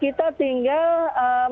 sehingga kita tinggal membuktikan